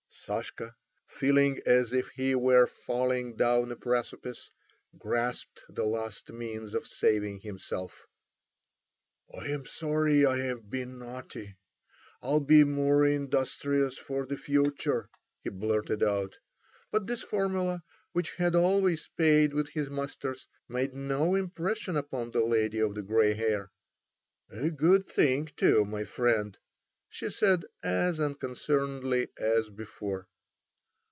Sashka, feeling as if he were falling down a precipice, grasped the last means of saving himself. "I am sorry I have been naughty. I'll be more industrious for the future," he blurted out. But this formula, which had always paid with his masters, made no impression upon the lady of the grey hair. "A good thing, too, my friend," she said, as unconcernedly as before.